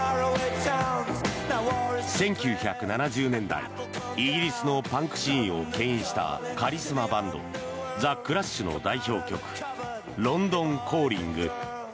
１９７０年代イギリスのパンクシーンをけん引したカリスマバンドザ・クラッシュの代表曲「ロンドン・コーリング」。